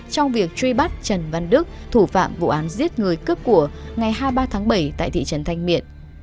trong việc truy bắt trần văn đức thủ phạm vụ án giết người cướp của ngày hai mươi ba tháng bảy tại thị trấn thanh miện